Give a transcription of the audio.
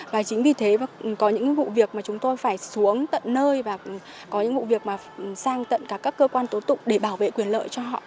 và chính vì thế có những vụ việc mà chúng tôi phải xuống tận nơi và có những vụ việc mà sang tận các cơ quan tố tụng để bảo vệ quyền lợi cho họ